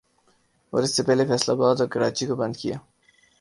اور اس سے پہلے فیصل آباد اور کراچی کو بند کیا